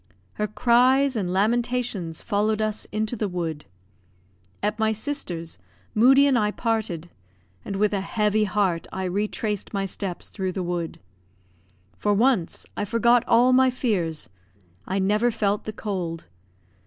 Her cries and lamentations followed us into the wood. At my sister's, Moodie and I parted; and with a heavy heart I retraced my steps through the wood. For once, I forgot all my fears. I never felt the cold.